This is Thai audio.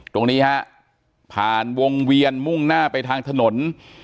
ตรงนี้ฮะผ่านวงเวียนมุ่งหน้าไปทางถนน